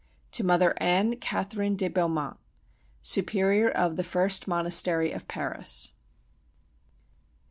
_To Mother Anne Catherine de Beaumont, Superior of the First Monastery of Paris.